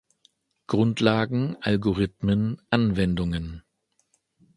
Grundlagen, Algorithmen, Anwendungen.